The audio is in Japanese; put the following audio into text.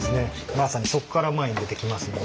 まさにそこから前に出てきますので。